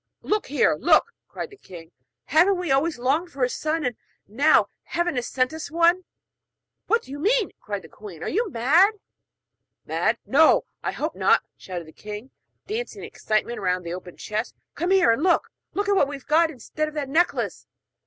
'Look here! look!' cried the king, 'haven't we always longed for a son? And now heaven has sent us one!' 'What do you mean?' cried the queen. 'Are you mad?' 'Mad? no, I hope not,' shouted the king, dancing in excitement round the open chest. 'Come here, and look! Look what we've got instead of that necklace!'